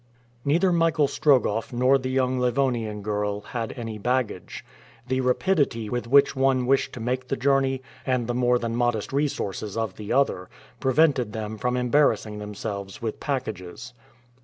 Neither Michael Strogoff nor the young Livonian girl had any baggage. The rapidity with which one wished to make the journey, and the more than modest resources of the other, prevented them from embarrassing themselves with packages.